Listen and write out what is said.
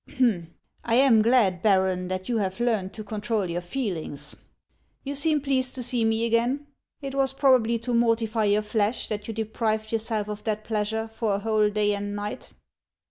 " I am glad, Baron, that you have learned to con trol your feelings. You seem pleased to see me again. It was probably to mortify your flesh, that you deprived yourself of that pleasure for a whole day and night."